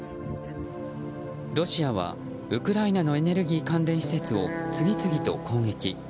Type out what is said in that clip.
ロシアはウクライナのエネルギー関連施設を次々と攻撃。